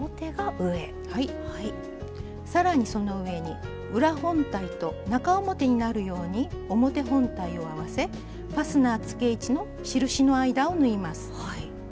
さらにその上に裏本体と中表になるように表本体を合わせファスナーつけ位置の印の間を縫います。